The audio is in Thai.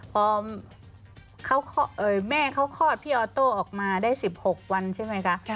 พอแม่เขาคลอดพี่ออโต้ออกมาได้๑๖วันใช่ไหมคะ